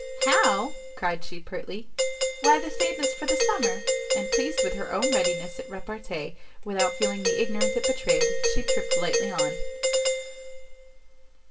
"How?" cried she, pertly, "why, the same as for the summer!" And pleased with her own readiness at repartee, without feeling the ignorance it betrayed, she tript lightly on.